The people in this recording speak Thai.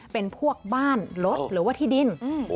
เป็นพวกบ้านรถหรือว่าที่ดิน